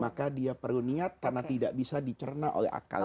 maka dia perlu niat karena tidak bisa dicerna oleh akal